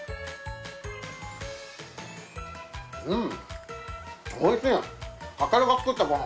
うん！